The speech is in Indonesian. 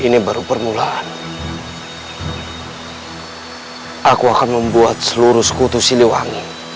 dia untuk disembuhkan